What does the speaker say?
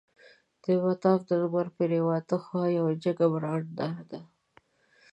د مطاف د لمر پریواته خوا یوه جګه برنډه ده.